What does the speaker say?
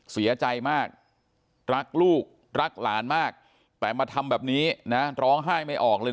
เสียใจมากรักลูกรักหลานมากแต่มาทำแบบนี้นะร้องไห้ไม่ออกเลย